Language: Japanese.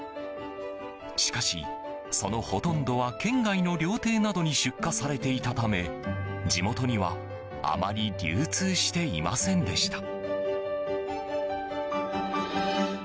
しかし、そのほとんどは県外の料亭などに出荷されていたため地元にはあまり流通していませんでした。